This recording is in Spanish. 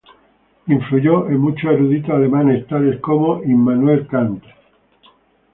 Influyó en muchos eruditos alemanes, tales como Immanuel Kant.